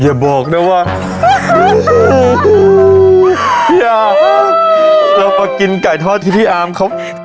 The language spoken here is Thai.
อย่าบอกนะว่าที่อ๊ออยไปกินไก่ทอดที่พี่อ๋อมเขา